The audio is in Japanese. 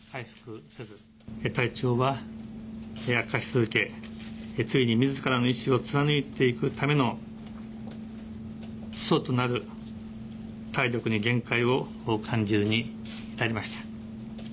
体調は悪化し続け、ついにみずからの意志を貫いていくための基礎となる体力に限界を感じるに至りました。